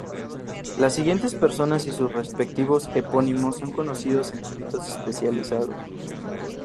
Las siguientes personas y sus respectivos epónimos son conocidos en ámbitos especializados.